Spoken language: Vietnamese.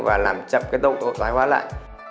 và làm chậm cái tốc độ thoái hóa lại